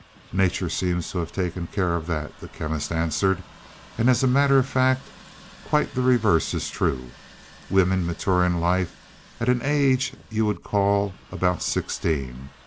"Nature seems to have taken care of that," the Chemist answered, "and as a matter of fact quite the reverse is true. Women mature in life at an age you would call about sixteen.